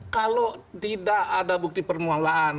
kalau tidak ada bukti permulaan